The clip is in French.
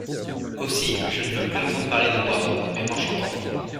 Aussi, je ne veux plus entendre parler de boire !… même en chantant !…